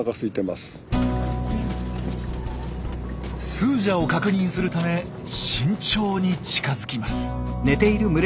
スージャを確認するため慎重に近づきます。